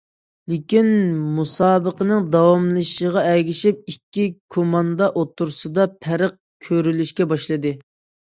لېكىن، مۇسابىقىنىڭ داۋاملىشىشىغا ئەگىشىپ، ئىككى كوماندا ئوتتۇرىسىدا پەرق كۆرۈلۈشكە باشلىدى.